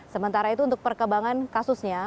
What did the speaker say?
sementara itu untuk perkembangan kasusnya